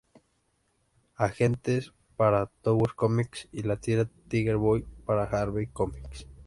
Agents" para Tower Comics y la tira "Tiger Boy" para Harvey Comics.